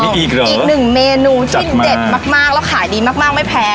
นี่อีกเหรออีกหนึ่งเมนูที่เด็ดมากมากแล้วขายดีมากมากไม่แพ้